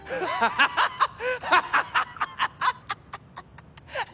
ハハハッ。